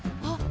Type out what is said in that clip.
あ。